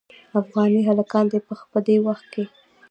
افغاني هلکان دې په دې وخت کې.